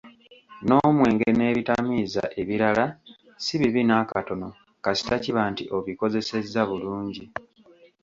N'omwenge n'ebitamiiza ebirala si bibi n'akatona kasita kiba nti obikozesezza bulungi.